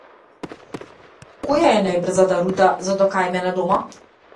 Која е најбрзата рута за до кај мене дома?